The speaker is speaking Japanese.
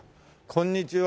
こんにちは。